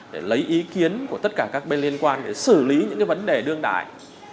để lấy ý kiến của tất cả các bên liên quan để xử lý những vấn đề đương đại